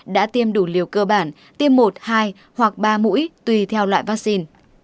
đã tiêm đủ liều cơ bản tiêm một hai hoặc ba mũi tùy theo loại vaccine